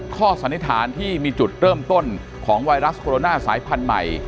สันนิษฐานที่มีจุดเริ่มต้นของไวรัสโคโรนาสายพันธุ์ใหม่